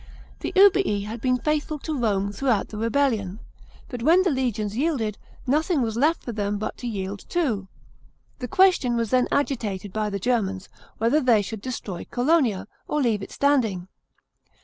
The Ubii had been faithful to Rome throughout the rebellion \ but when the legions yielded, nothing was left lor them but to yield too. The question was then agitated by the Germans, whether they should destroy Colonia, or leave it standing.